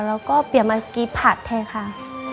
เราก็เปลี่ยนมากินผัดแทนค่ะ